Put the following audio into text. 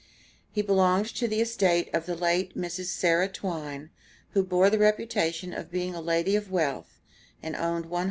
He belonged to the estate of the late Mrs. Sarah Twyne, who bore the reputation of being a lady of wealth, and owned one hundred and twelve slaves.